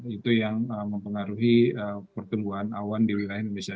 itu yang mempengaruhi pertumbuhan awan di wilayah indonesia